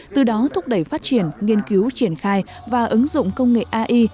từ đó thúc đẩy phát triển nghiên cứu triển khai và ứng dụng công nghệ ai